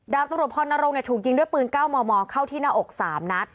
ตำรวจพรนรงค์ถูกยิงด้วยปืน๙มมเข้าที่หน้าอก๓นัด